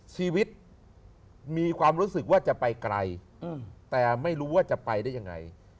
ชีวิตมีความรู้สึกว่าจะไปไกลแต่ไม่รู้ว่าจะไปได้ยังไง